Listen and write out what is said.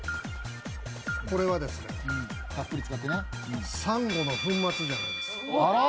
これはですね、サンゴの粉末じゃないですか？